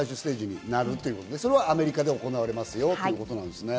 それはアメリカで行われるということなんですね。